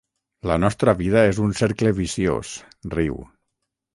La nostra vida és un cercle viciós —riu—.